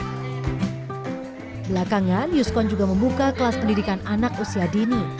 belakangan yuskon juga membuka kelas pendidikan anak usia dini